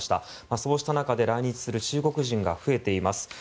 そうした中で来日する中国人が増えています。